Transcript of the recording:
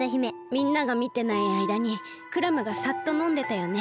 みんながみてないあいだにクラムがサッとのんでたよね。